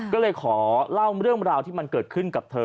ก็เลยขอเล่าเรื่องราวที่มันเกิดขึ้นกับเธอ